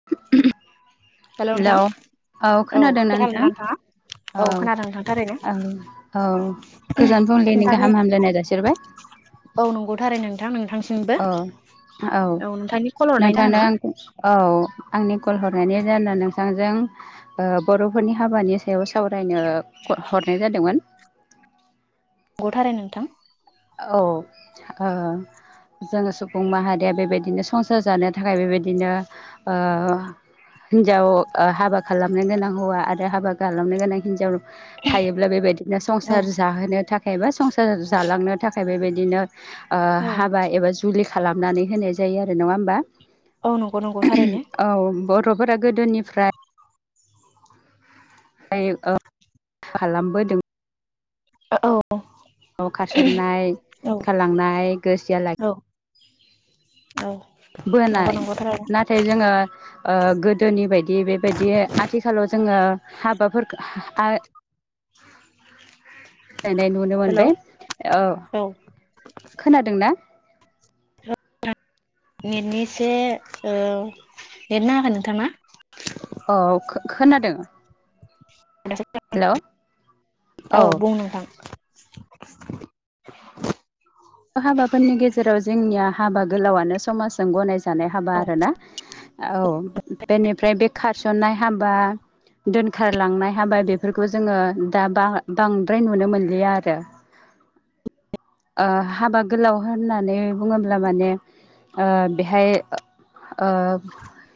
[inaudible] हेल' नोंथां औ औ खोनादोंना नोंथां? नोंथाङा औ खोनादों नोंथां थारैनो आं औ गोजोन फुंबिलिनि नोंथांनि गाहाम हामगलायनाय जासिहरबाय औ नंगौ थारैनो नोंथां नोंथांनि सिमबो औ औ नोंथांनि कल हरनायनि नोंथांनो जाहोना आं औ आंनि कल हरनायनि जाहोनानो नोथांजों ओ बर'फोरनि हाबानि सायाव सावरायनो हरनाय जादोंमोन। नोंगौ थारै नोंथां औ ओ जोङो सुबुं माहारिया बेबायदिनो संसार जानो थाखाय बेबायदिनो ओ हिनजाव ओ हाबा खालामनो गोनां हौवा आरो हाबा खालामनो गोनां हिनजाव थायोब्ला बेबायदिनो औ संसार जाहोनो थाखाय बा संसार जालांनो थाखाय बेबायदिनो ओ हाबा एबा जुलि खालामनानै होनाय जायो आरो नङा होमबा औ नंगौ नंगौ थारैनो औ बर'फोरा गोदोनिफ्राय ओ खालामबोदों ओ औ न'आव खारसननाय औ खारलांनाय गोरजिया लाखि औ औ नंगौ बोनाय नंगौ थारैनो नाथाय जोङो ओ गोदोनि बायदि बेबायदि आथिखालाव जोङो हाबाफोरखो हा [inaudible] सोलायनाय नुनो हेलौ मोनदों औ खोनादों ना [unintelligible] नेटननि एसे ओ नेट नाङाखै नोंथांना। औ खो-खोनादों [inaudible] औ बुं नोंथां हाबाफोरनि गेजेराव जोंनिया हाबा गोलावआनो समाजजों गनायजानाय हाबा औ आरोना औ बेनिफ्राय बे खारसननाय हाबा दोनखारलांनाय हाबाय बेफोरखौ जोङो दा बा-बांद्राय नुनो मोनलिया आरो ओ हाबा गोलाव होननानै बुङोब्ला माने ओ बेहाय ओ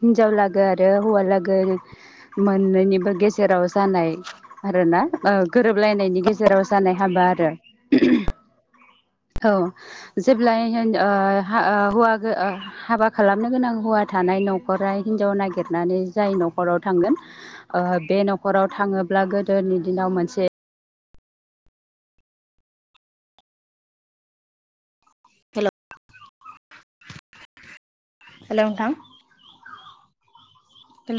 हिनजावलागो आरो हौवा लागो मोननैनिबो गेजेराव जानाय आरो ना ओ गोरोबलायनायनि गेजेराव जानाय हाबा आरो औ जेब्लाय हि ओ हा ओ हौवा ओ हाबा खालामनो गोनां हौवा थानाय न'खरा हिनजाव नागिरनानै जाय न'खराव थांगोन। ओ बे न'खराव थाङोब्ला गोदोनि दिनाव मोनसे हेल' हेल' नोंथां हेल'